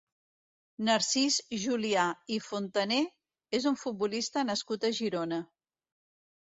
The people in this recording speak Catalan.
Narcís Julià i Fontané és un futbolista nascut a Girona.